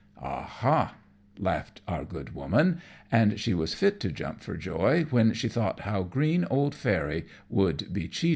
"Ah, ha!" laughed our good Woman, and she was fit to jump for joy, when she thought how the green old Fairy would be cheated.